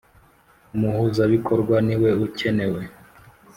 Umuhuzabikorwa niwe ukenewe.